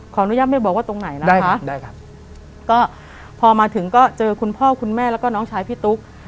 ขออนุญาตไม่บอกว่าตรงไหนนะคะพอมาถึงก็เจอคุณพ่อคุณแม่แล้วก็น้องชายพี่ตุ๊ก